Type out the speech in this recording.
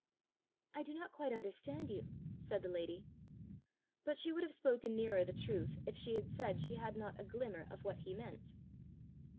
"I do not quite understand you," said the lady. But she would have spoken nearer the truth if she had said she had not a glimmer of what he meant.